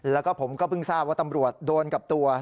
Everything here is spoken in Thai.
แล้วก็ผมก็เพิ่งทราบว่าตำรวจโดนกับตัว